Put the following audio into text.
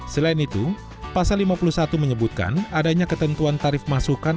selain itu pasal lima puluh satu menyebutkan adanya ketentuan tarif masukan